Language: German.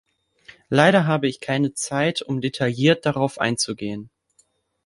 Leider habe ich keine Zeit, um detailliert darauf einzugehen.